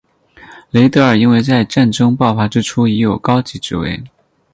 雷德尔因为在战争爆发之初已有高级职位。